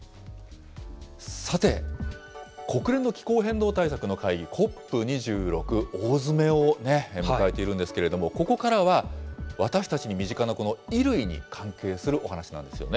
さて、国連の気候変動対策の会議、ＣＯＰ２６、大詰めを迎えているんですけれども、ここからは、私たちに身近な衣類に関係するお話なんですよね。